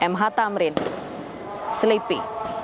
mh tamrin selipi